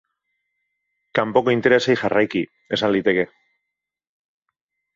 Kanpoko interesei jarraiki, esan liteke.